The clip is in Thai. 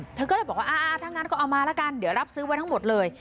เธออยู่๔เล่มเธอก็เลยบอกว่าอะถ้างานก็เอามาละกันเดี๋ยวรับซื้อไว้ทั้งหมดเลย